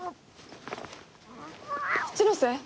一ノ瀬？